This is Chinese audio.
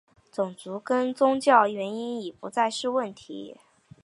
种族跟宗教原因已不再是问题。